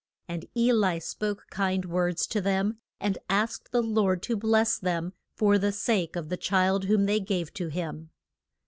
And E li spoke kind words to them, and asked the Lord to bless them for the sake of the child whom they gave to him.